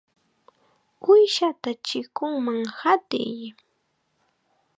¡Uushata chikunman qatiy!